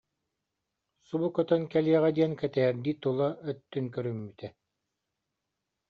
субу көтөн кэлиэҕэ диэн кэтэһэрдии тула іттүн көрүммүтэ